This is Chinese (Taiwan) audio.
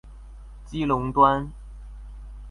基隆端